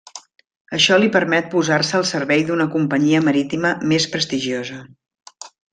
Això li permet posar-se al servei d'una companyia marítima més prestigiosa.